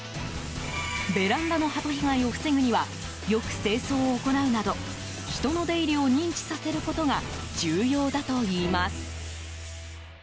ベランダのハト被害を防ぐためにはよく清掃を行うなど人の出入りを認知させることが重要だといいます。